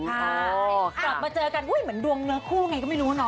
กลับมาเจอกันอุ๊ยเหมือนดวงเนื้อคู่ไงก็ไม่รู้เนาะ